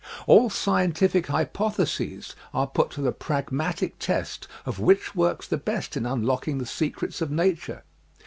All scientific hypotheses are put to the pragmatic test of which works the best in un locking the secrets of Nature.